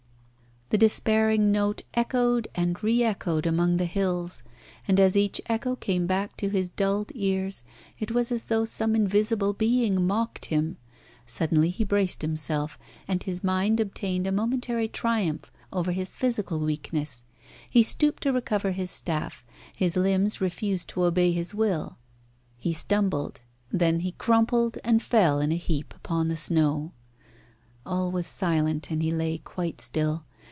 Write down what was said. The despairing note echoed and re echoed among the hills. And as each echo came back to his dulled ears it was as though some invisible being mocked him. Suddenly he braced himself, and his mind obtained a momentary triumph over his physical weakness. He stooped to recover his staff. His limbs refused to obey his will. He stumbled. Then he crumpled and fell in a heap upon the snow. All was silent, and he lay quite still.